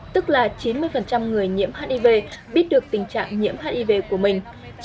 tức là chín mươi người nhiễm hiv biết được tình trạng nhiễm hiv của mình